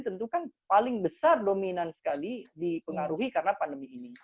tentu kan paling besar dominan sekali dipengaruhi karena pandemi ini